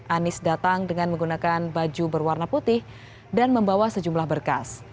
anies datang dengan menggunakan baju berwarna putih dan membawa sejumlah berkas